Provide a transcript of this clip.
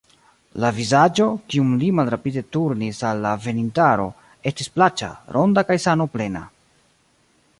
La vizaĝo, kiun li malrapide turnis al la venintaro, estis plaĉa, ronda kaj sanoplena.